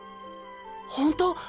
ほんと！？